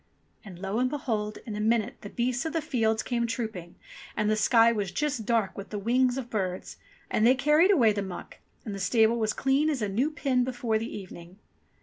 '* And lo and behold ! in a minute the beasts of the fields came trooping, and the sky was just dark with the wings of birds, and they carried away the muck, and the stable was clean as a new pin before the evening.